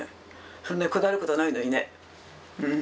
そんなにこだわることないのにね。